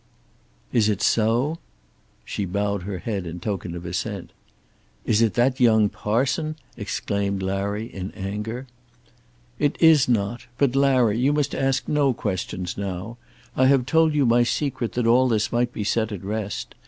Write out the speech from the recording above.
"Is it so?" She bowed her head in token of assent. "Is it that young parson?" exclaimed Larry, in anger. "It is not. But, Larry, you must ask no questions now. I have told you my secret that all this might be set at rest.